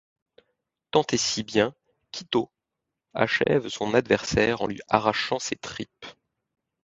Tant et si bien qu’Itô achève son adversaire en lui arrachant ses tripes.